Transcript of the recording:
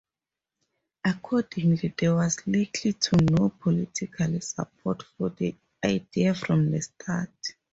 Accordingly, there was little to no political support for the idea from the start.